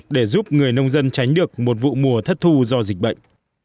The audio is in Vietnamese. để giúp người nông dân tránh được một vụ mùa thất thu do dịch bệnh